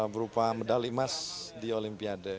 berupa medali emas di olimpiade